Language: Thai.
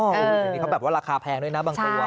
อ๋ออืมนี่แบบว่าราคาแพงด้วยนะบางตัว